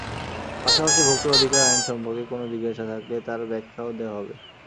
পাশাপাশি ভোক্তা অধিকার আইন সম্পর্কে কোনো জিজ্ঞাসা থাকলে তার ব্যাখ্যাও দেওয়া হবে।